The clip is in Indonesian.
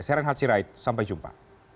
saya renhati raid sampai jumpa